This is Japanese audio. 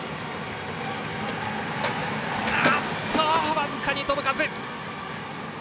僅かに届かず。